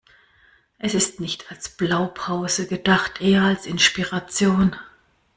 Es ist nicht als Blaupause gedacht, eher als Inspiration.